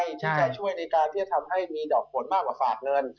ที่จะช่วยในการที่จะทำให้มีดอกผลมากกว่าฝากเงิน